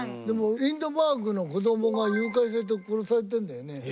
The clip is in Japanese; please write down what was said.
でもリンドバーグの子供が誘拐されて殺されてるんだよね。